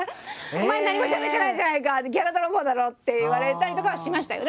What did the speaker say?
「お前何もしゃべってないじゃないかギャラ泥棒だろ！」って言われたりとかはしましたよ。